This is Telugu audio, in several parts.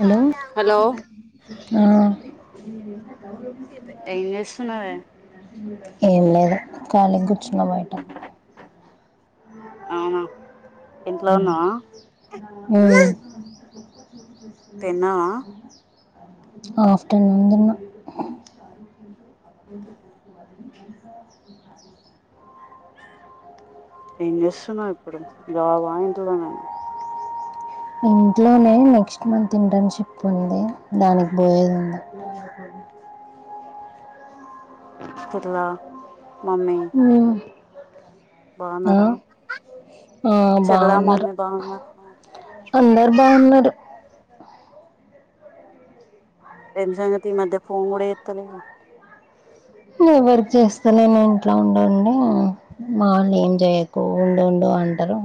హలో హలో ఆ ఏం చేస్తున్నావే ఏం లేదు ఖాళీగా గూర్చున్న బయట అవున ఉమ్ [inaudible] [inaudible] తిన్నావా ఆఫ్టనూన్‌ తిన్న ఏం జేస్తున్నవు ఇప్పుడు జాబ ఇంట్లనేనా ఇంట్లోనే నెక్స్ట్ మంత్ ఇంటర్న్‌షిప్ ఉంది. దానికి బోయేది ఉంది సెటిల్ ఆ మమ్మీ ఉమ్, ఆ బాగున్నారా ఆ చెల్లా బాగున్నారు మమ్మీ బాగున్నారా అందరూ బాగున్నారు. ఏం సంగతి ఈ మధ్య ఫోన్ గూడ చేత్తలేవు ఏం వర్క్ చేస్తాలేను. ఇంట్లో ఉండి ఉండి మా వాళ్లు ఏం చేయకు, ఉండు ఉండు అంటారు.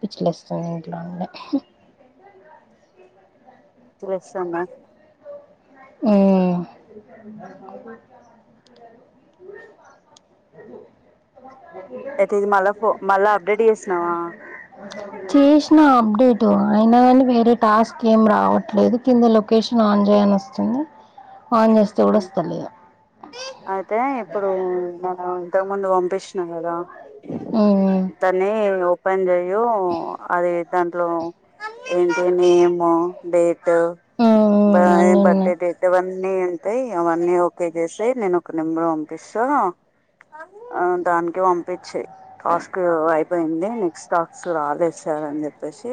పిచ్చిలేస్తుంది ఇంట్లో ఉండి పిచ్చిలేస్తాంద ఉమ్ అయితే ఇది మళ్ళా ఫో మళ్ళా అప్డేట్ చేసినావా చేసినా అప్డేట్ టు అయిన గానీ వేరే టాస్క్ ఏం రావట్లేదు. కింద లొకేషన్ ఆన్ చేయి అని వస్తు చిన్న ఉమ్ అయితే ఇప్పుడు మనం ఇంతకు ముందు పంపించిన గదా ఉమ్, తానే ఎవో పని చేయు అది దాంట్లో ఏంటి నేము డేట్ టు బా ఉమ్, ఏం అన్నీ బర్డే ఉన్నాయి డేట్ ఆవన్నీ అయి అవన్నీ ఓకే చేసేయి నేను ఒక నెంబర్ పంపిస్తా ఆ దానికె పంపించ్చేయి. టాస్క్ వయ్ పోయింది. నెక్స్ట్ టాక్స్ రాలెద్ సర్ అని చెప్పేసి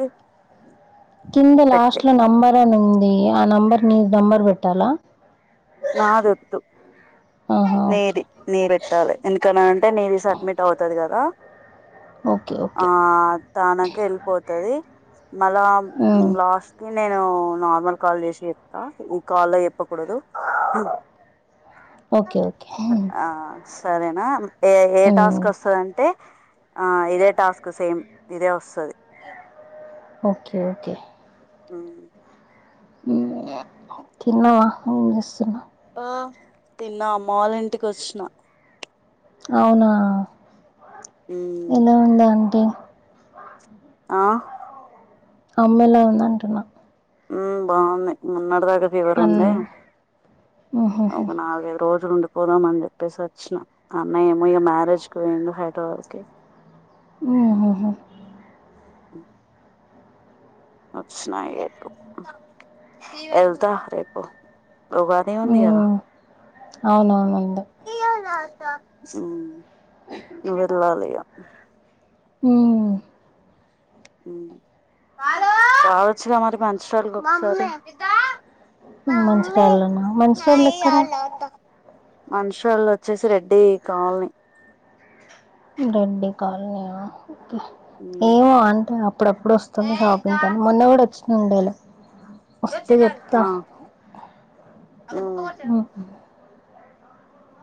కింద పెట్టే లాస్ట్ లో నంబర్ అని ఉంది. ఆ నంబర్ ని నంబర్ కు పెట్టాల నా వోద్దు ఆహా ఓకే నీది నీది పెట్టాలె ఎందుకనంటే అంటే నీది సబ్మిట్ అవుతది కదా ఓకే ఆ ఓకే తనకు ఎల్పోతది మల్ల ఉమ్, లాస్ట్ కి నేను నార్మల్ కాల్ చేసి చెప్తా ఈ కాల్లో చెప్పకూడదు. అ ఒకె ఒకే సరెనా ఎ ఏ టాస్కొస్తదంటే ఆ ఇదే టాస్క్ సేమ్ ఇదే వస్తది ఒకె ఓకె మ్ తిన్నవ ఎంజేస్తున్నవ్ తిన్న అమ్మ వాళ్ళ ఇంటికొచ్చిన అవునా మ్మ్ ఎలా ఉందాంటీ ఆ అమ్మెలా ఉందంటునా ఉమ్ బాగున్నాయ్ మొన్నటిద అన్ ఎవరుండె మ్మ్హ్మ్. ఒక నాలు గైదు రోజులుండి పొ పోదామని జెప్పేసొచ్చిన అన్నయ్య ఏమో ఇగ మ్యారేజ్ కు పోయిండు హైదరాబాద్ కి ఓహొహో ఉమ్ వచ్చినాయేపు ఎంత రేపు ఉగాది ఉంది కదా ఉమ్ అవునవునుంది ఉమ్ నువ్వెళ్ళాలిగ ఉమ్ ఉమ్ రావచ్చుగ మరి మంచుసాలకి ఒకసారి మంచురాళ్ళన్నావ్ మంచురాళ్ళెక్కడ మన్షువల్ వొచ్చేసి రెడ్డి కాల్ని రెడ్డి కాల్నీయా మ్మ్ ఏమో అంటె అప్పుడప్పుడొస్తుంది షాపింగ్ కాని మొన్న గూడొచ్చి నుండలు వస్తే చెప్తా ఆ ఉమ్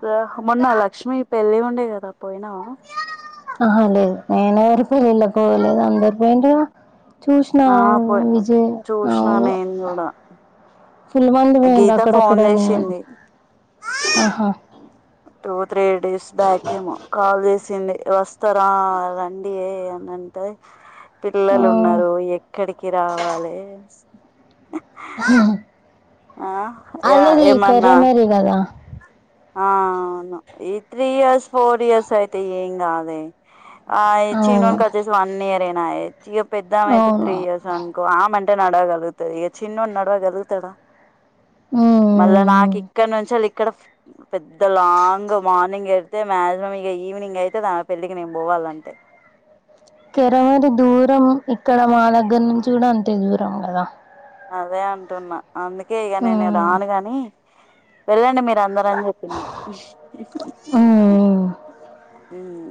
ఇగ మొన్న లక్ష్మి పెళ్ళి ఉండే గదా పోయినావా అహ లేదు నేను ఎవరి పెళ్ళిల్లకు పోలేదు అందరి పెండ్లు చూసినా ఆ పోయి విజయ్ చూసిన అవును నేను కూడా ఫుల్ల్ మంది పోయిండ్రు గీత ఫోన్ అక్కడక్కడనే చేసింది అహా టూ త్రీ డేస్ బ్యాక్ ఏమో కాల్ చేసి ఇండె వస్తరా రండీ అనింటే హ్మ్. పిల్లలున్నారు ఎ ఇక్కడికి రావాలి ఆ యా అల్లది [unintelligible] కదా ఆవును ఈ త్రీ ఇయర్స్ ఫోర్ ఇయర్స్ అయితే ఏం కాదే ఆ చిన్నోన్ అవును. వచేసి వన్ ఇయర్డి నాయి ఇ పెద్దామయితే త్రీ అవును. ఇయర్స్ అనుకో ఆమె [unintelligible] నడవ గాలుగుతా ఈక చిన్నోం నడవా గాలుగుతడా మళ్ళ ఉమ్ నాకి ఇక్కడ నుంచి ఇక్కడ పెద్ద లాంగ్ మార్నింగ్ వెళ్తే మాక్సిమం ఇక ఈవినింగ్ అయితే దా పెళ్ళికి నేను పోవాలంటే కిరమరి దూరం ఇక్కడ మా దగ్గర నుంచి కూడా అంతే దూరం కదా అదే అంటున్నా అందుకే ఇక నేనే ఉమ్ రాను గాని వెళ్ళండి మీరు అందరు ఉమ్ [unintelligible]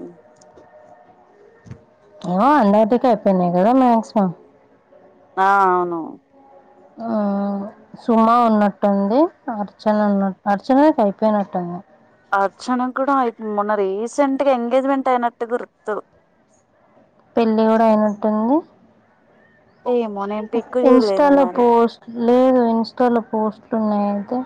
ఏ అండార్టిక్ అయిపోయింది కదా మాక్సిమం ఆ అవును సుమా ఉన్నటుంది అర్చన ఉన్నట్ అర్చన కి పోయినటుం అర్చన కూడా అయి మొన్న రీసెంట్ గా ఎంగేజ్మెంట్ అయినట్టు గుర్తు పెళ్లి కూడా అయిన ఉంటుంది ఏమో నేను పిక్ చూడలేదు ఇన్స్టాలో మరి పోస్ట్ లేదు ఇన్స్టాలో పోస్ట్ న్నాయయితే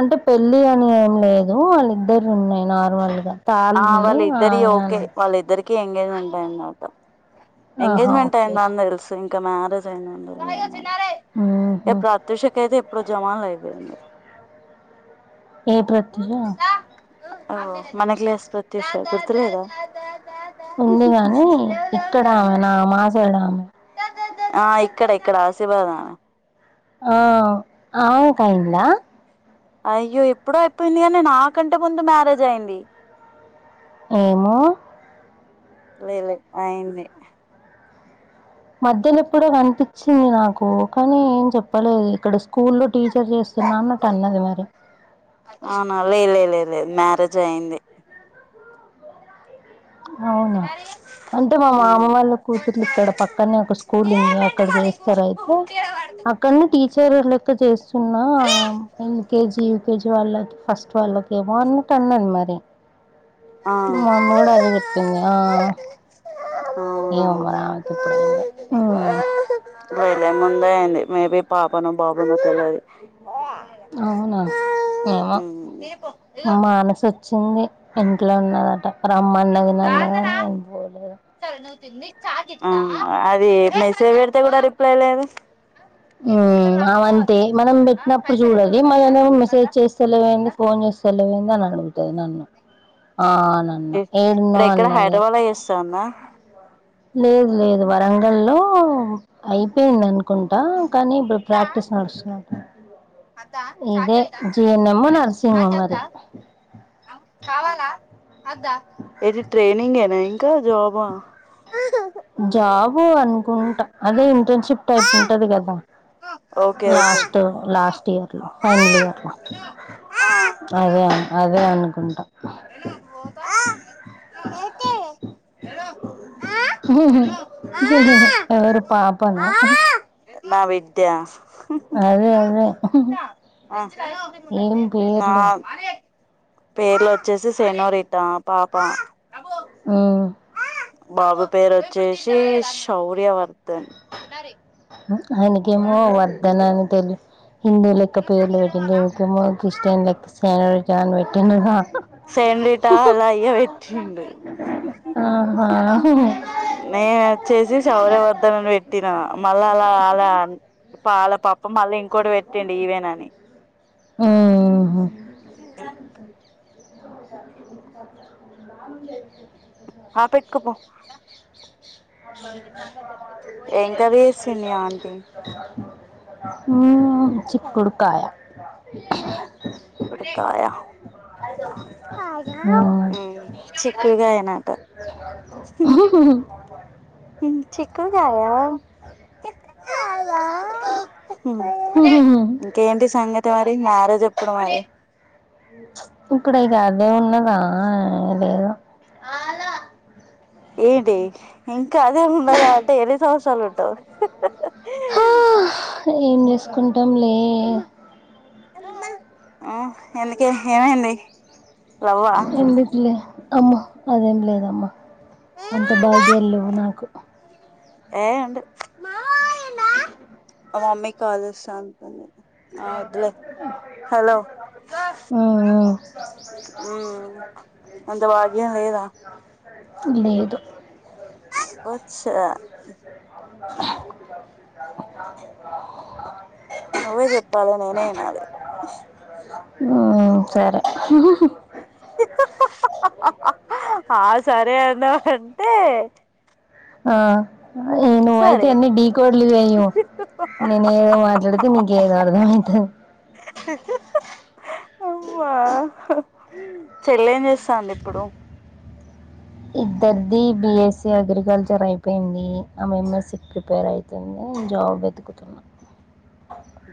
అంటే పెళ్ళి అని ఏం లేదు వాళ్ళిద్దరు ఉన్నాయి నార్మల్గా తాళి ఆ ఉంది వాళ్ళ ఇద్దరీ ఆమె ఓకే అని. వాళ్ళ ఇద్దరు ఎంగేజ్మెంట్ అయిందట ఆహా ఎంగేజ్మెంట్ ఓకే అయింద అని తెలుసు ఇంకా మ్యారేజ్ అయినాక ఏ ఉహు ప్రాత్యక్షిక అయితే ఇప్పుడు జమాల అయిపోయింది ఏ ప్రత్యూష ఓ మన క్లాస్ ప్రత్యూష గుర్తులేద ఉంది కాని ఇక్కడ ఆమె మా సైడ్ ఆ ఆ ఇక్కడ ఇక్కడ [unintelligible] ఆ [unintelligible] అయ్యిందా అయ్యో ఇప్పుడు అయిపోయింది అని నాకంటే ముందు మ్యారేజ్ అయింది ఏమో లే లే అయింది మధ్యలో ఎప్పుడో కనిపించింది నాకు కానీ ఏం చెప్పలేదు ఇక్కడ స్కూల్ల్లో టీచర్ చేస్తున్నాన్నట్టు అన్నది మరి లేలేదు మ్యారేజ్ అయి్యంది అవునను అంటే మా మామ ఉమ్ వాళ్ళ కూతుర్లు ఇక్కడ పక్కనే ఒక స్కూల్ ఉంది అక్కడ చేస్తారు అయితే అక్కడనే టీ చెర లెక్క చేస్తున్నా ఎల్కేజీ యూకేజీ వాళ్ళకి ఫస్ట్ వాళ్ళకిేమో అన్నట్టు అన్నది మరి ఆ మా అమ్మ కూడా అదే చెప్పింది ఆ ఏ అవునా ఉ మరామెకి ఇప్పుడైంద వెళ్ళే ముందే అయింది మేబీ పాపను బాబుది అవునా ఏమో మానస వచ్చింది ఇంట్లో ఉన్నదట బమన్న జన్నగా బోలేదు ఆ అది మెసేజ్ పెడితే కూడా రిప్లై లేదు హమ్ అవంతే మనం పెట్టినప్పుడు చూడాలి మనో మెసేజ్ చేస్తేలేవేంది ఫోన్ చేస్తేలేవంది అని అడుగుతుంది న్న ఆ నన్న ఏడున్నా ఇప్పుడు ఎక్కడ అన్నదిే హైదరాబాద్ లో చేస్తాందా లేదు లేదు వరంగల్లో అయిపోయింది అనుకుంటా కానీ ఇప్పుడు ప్రాక్టీస్ నడుస్తుంది అదా చాతా జిఎన్ఎం మ నర్సింగ్ మరి చాతా కావాలా అదా ఏది ట్రైనింగ్ ఏనా ఇంకా జాబ కో అదే ఇంటర్న్షిప్ టైప్ ఉంటది కదా okay okay last last year లో ఫైనల్ ఇయర్ లో అదే అదే అ కొంట హలో పో ఊఉఉఉఉ రు పాపనా నా విద్య అదే అదే న్న ఏం పేర్లు అే పేర్ల వచ్చేసి సనోరిీతా పాపం ఆ బాబు పేరు వచ్చేసి శౌర్య వ ఎననికిమ వర్ధనని తెల్ హిందువు లెక్కేర్లు పెట్టింది క్రిస్టిన్ లెక్క జాన్టి తనా సెడిటా అలా అయ్య వటిడు ఆహా నే చేసి శౌర్యవర్ధనని పెట్టినా మళ్ళ అలా అలా పాల పాప మళ్ళీ ఇంకోటి పెట్టిండు ఈవేనని ఆ పెట్టుకుపో ఎంక చేసింది ఆంట చిక్కుడుకాయ కొడతయా చక్గాయనాటా ఉమ్ చకుకుగాయా ఇంకేంటి సంగతే మరి మ్యారేజ్ అప్పుడయ ఇక్కడ ఇకా అదే ఉన్నదా లేదేద ఏడేం అదే ఉన్నదా డైలీ సంస్ చాల ఉంటవు ఏం చేసుకుంట కుటంలే ఎందుకే ఏమడి ఎడిట్లే అమ్మ అదేం లేదా అమ్మ అంత బాగా వెళ్ళవు నాకు ఏ ఉంట ఆ మమ్మీ కాాలస్ అంతని అ మ్మ్ అంత భాగ్యం లేదా లే లేదు వచ్చా వో నువ్వే చెప్పాలనినేనాాలు సరే ఆ సరే అన్నాంటే ఆ నువ్వ అయితే సరే ఎన్ని ఢీ కోడ్లు వే్య నేను ఏదో మాట్లాడితే నీకేదో అర్థం అవుతుంది చెల్లేం చేస్తా అండి ఇప్పుడు ఇద్దరిది బీఎస్సీ అగ్రికల్చర్ అయిపోయింది ఆమె ఎంఎస్సీ ప్రిపేర్ అవుతుంది నే జాబ్ వెతుకుతున్నాను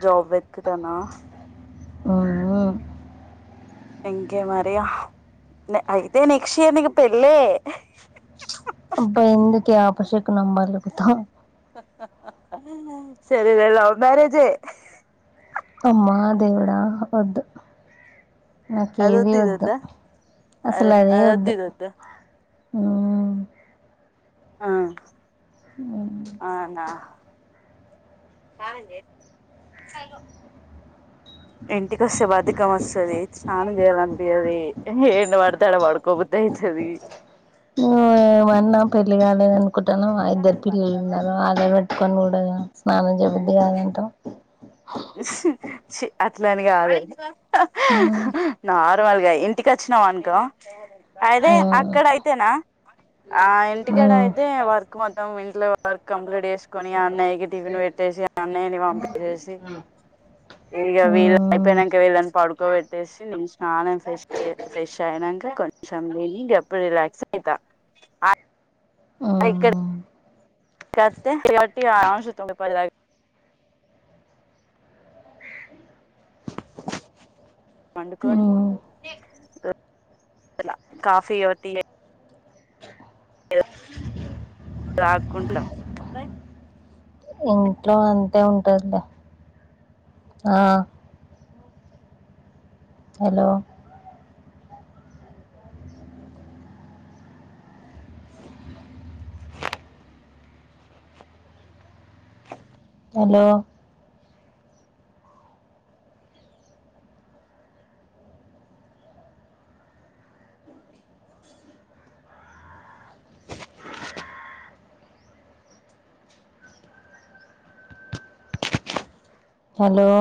జాబ్ వెతుకుతానా ఆఓ ఇంకే మరియా అయితే నెక్స్ట్ ఇయర్ నీకు పెళ్ళి అబ్బా ఎందుక అపేషేకునం పలుకుతాం సరేలే లవ్ మ్యరేజే అమ్మా దేవుడా వద్దు నాకేది అదొద్దు వద్దు ఇదొద్దా అద అసలు అదే అదొద్దు వద్దు ఇదొద్దు ఆ ఆ అవునా కావ ఇంటి కొస్తే బాధకం వస్తది. స్నానం చెయ్యాలని అ అది ఏడా పడితే అడా పాడుకుం ఓయ్ మళ్ళా పెళ్లిగాదు లేదు అనుకున్న [unintelligible] ఇద్దరు పిల్లలు ఉన్నారు అదే ఏమైనా పని ఉండదా స్నానం చేబుద్ది కాదంటవ్ అట్లా [unintelligible] గాదు అది ఉమ్ నా మల్గా ఇంటికి వచ్చినవనుకో అదే ఉమ్ అక్కడ అయితేనా ఆ ఇంటికాడ అయితే వర్క్ మొత్తం వి వర్క్ కంప్లీట్ చేసి తీసుకొని ఆ అన్నయ్యకి టిఫిన్ పెట్టేసి ఆ అన్నయ్యని పంపీ చేసి ఇగా వీల్ ఉమ్ అయిపోయిన్నాక వీళ్ళా ను పంప్ పడుకోబెట్టేసి నేను స్నానం ఫ్రెష్ ఫ్రెష్ అయినాక కొంచెం [unintelligible] అప్పుడు రిలాక్స్ అయితా అదే ఉమ్ ఇక్కడ ఉమ్ [unintelligible] పండుకొని ఉమ్ కాఫీ యో టీ అయి రాకుంటా ఇంట్లో అంతే ఉంటుందిలే హలో హలో హలో